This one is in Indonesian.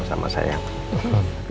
berarti ini banyak operasi